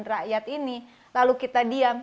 rakyat ini lalu kita diam